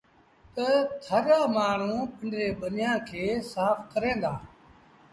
تا ٿر رآ مآڻهوٚٚݩ پنڊريٚآݩ ٻنيٚآݩ کي سآڦ ڪريݩ دآ۔